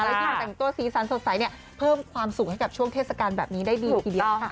ที่มาแต่งตัวสีสันสดใสเนี่ยเพิ่มความสุขให้กับช่วงเทศกาลแบบนี้ได้ดีทีเดียวค่ะ